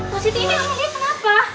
mas siti ini sama dia kenapa